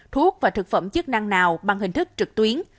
thuốc và thực phẩm chức năng nào bằng hình thức trực tuyến